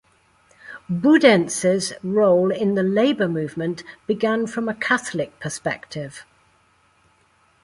Budenz's role in the labor movement began from a Catholic perspective.